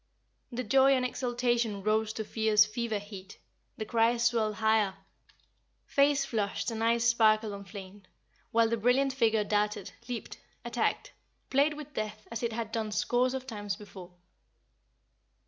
The joy and exultation rose to fierce fever heat, the cries swelled higher, faces flushed and eyes sparkled and flamed, while the brilliant figure darted, leaped, attacked, played with death as it had done scores of times before.